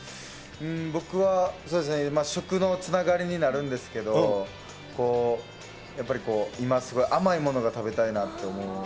僕はそうですね、食のつながりになるんですけど、やっぱり今すごい甘いものが食べたいなって思います。